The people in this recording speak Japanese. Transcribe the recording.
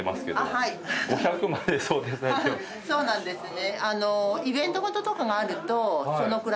はいそうなんですね。